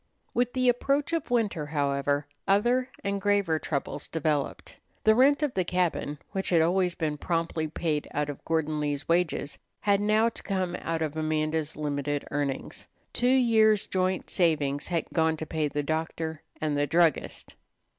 With the approach of winter, however, other and graver troubles developed. The rent of the cabin, which had always been promptly paid out of Gordon Lee's wages, had now to come out of Amanda's limited earnings. Two years' joint savings had gone to pay the doctor and the druggist.